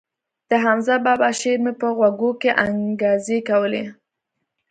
د حمزه بابا شعر مې په غوږو کښې انګازې کولې.